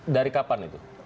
dari kapan itu